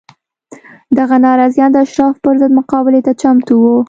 دغه ناراضیان د اشرافو پر ضد مقابلې ته چمتو وو